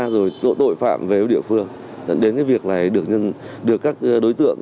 rồi tội phạm về với địa phương đến cái việc này được các đối tượng